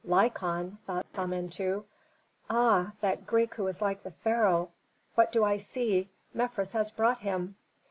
"Lykon?" thought Samentu. "Ah, that Greek who is like the pharaoh. What do I see? Mefres has brought him!"